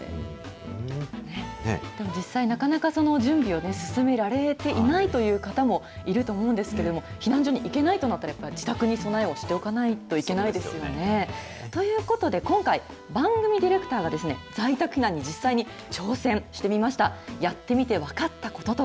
でも実際、なかなか準備を進められていないという方もいると思うんですけれども、避難所に行けないとなったら、やっぱり自宅に備えをしておかないといけないですよね。ということで、今回、番組ディレクターが在宅避難に、実際に挑戦してみました。